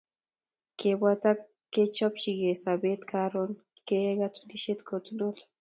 kebwat ak kechopchigeei sobetab karon koyae katunisiet kotonon